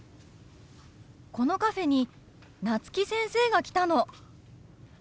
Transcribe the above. このカフェに夏木先生が来たの！